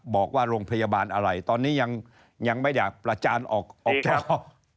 บอกว่าโรงพยาบาลอะไรตอนนี้ยังไม่อยากประจานออกจากห้อง